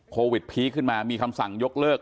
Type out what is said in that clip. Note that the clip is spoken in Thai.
พีคขึ้นมามีคำสั่งยกเลิก